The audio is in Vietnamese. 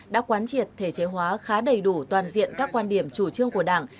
đã quán triệt thể chế hóa khá đầy đủ toàn diện các quan điểm chủ trương của đảng